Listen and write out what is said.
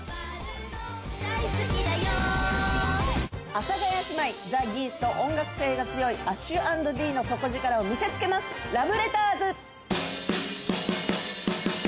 阿佐ヶ谷姉妹ザ・ギースと音楽性が強いＡＳＨ＆Ｄの底力を見せつけますラブレターズ！